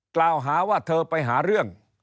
กล่าวหาว่าเธอไปหาเรื่อง